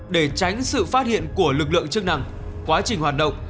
để tránh sự phát hiện của lực lượng chức năng quá trình hoạt động